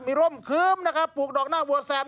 มีร่มคื้มปลูกดอกหน้าวัวแซม